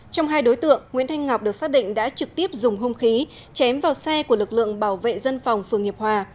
trong hai đối tượng nguyễn thanh ngọc được xác định đã trực tiếp dùng hung khí chém vào xe của lực lượng bảo vệ dân phòng phường hiệp hòa